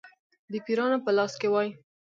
د پیرانو په لاس کې وای.